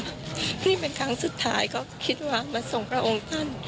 นี่เป็นครั้งสุดท้ายก็คิดว่ามาส่งพระองค์ท่าน